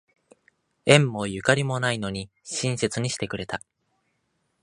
縁もゆかりもないのに親切にしてくれた